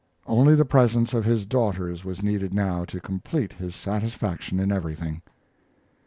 Only the presence of his daughters was needed now to complete his satisfaction in everything.